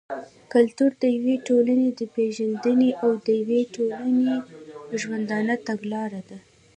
کلتور د يوې ټولني د پېژندني او د يوې ټولني د ژوندانه تګلاره ده.